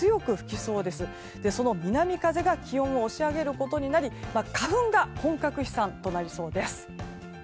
その南風が気温を押し上げることになり花粉が本格飛散となりそうです。